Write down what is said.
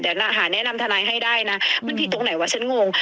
แต่หาแนะนำทะไนให้ได้นะมันผิดตรงไหนว่าฉันงง